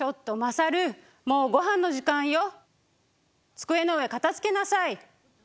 机の上片づけなさい！